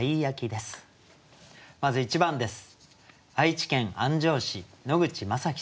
まず１番です。